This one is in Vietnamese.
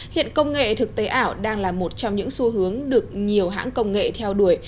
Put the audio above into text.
hiện công nghệ thực tế ảo đang là một trong những xu hướng được nhiều hãng công nghệ theo đuổi